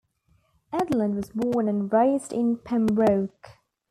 Edlund was born and raised in Pembroke.